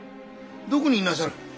どこにいなさる？